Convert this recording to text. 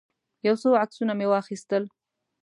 یو څو عکسونه مې واخیستل.